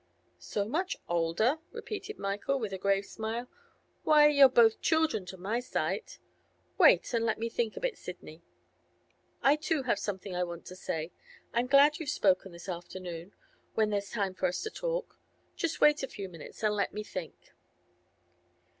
'So much older?' repeated Michael, with a grave smile. 'Why, you're both children to my sight. Wait and let me think a bit, Sidney. I too have something I want to say. I'm glad you've spoken this afternoon, when there's time for us to talk. Just wait a few minutes, and let me think.